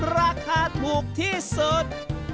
ราคาถูกที่สุด